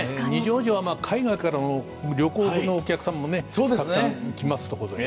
二条城は海外からの旅行のお客さんもたくさん来ます。